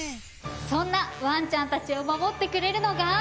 そんなワンちゃんたちを守ってくれるのが。